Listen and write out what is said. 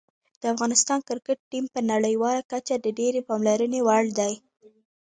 د افغانستان کرکټ ټیم په نړیواله کچه د ډېرې پاملرنې وړ دی.